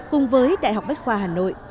cùng với đại học bách khoa hà nội